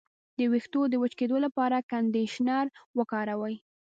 د ویښتو د وچ کیدو لپاره کنډیشنر وکاروئ